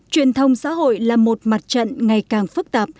truyền thông xã hội là một mặt trận ngày càng khóa